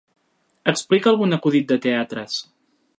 Explica algun acudit de teatres.